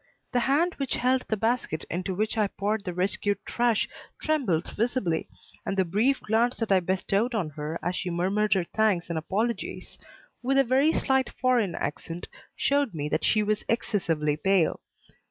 The hand which held the basket into which I poured the rescued trash trembled visibly, and the brief glance that I bestowed on her as she murmured her thanks and apologies with a very slight foreign accent showed me that she was excessively pale.